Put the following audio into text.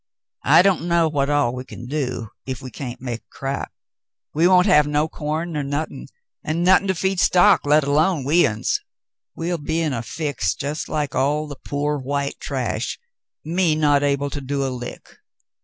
"I don't know what all we can do ef we can't make a crap. We won't have no corn nor nothin', an' nothin' to feed stock, let alone we uns. We'll be in a fix just like all the poor white trash, me not able to do a lick."